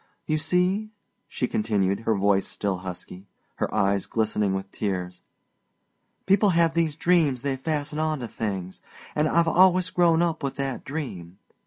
You see," she continued, her voice still husky, her eyes glistening with tears, "people have these dreams they fasten onto things, and I've always grown up with that dream.